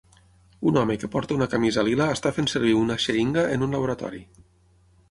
Un home que porta una camisa lila està fent servir una xeringa en un laboratori.